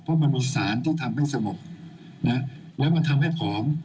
เพราะมันมีสารที่ทำให้สงบนะแล้วมันทำให้ผอม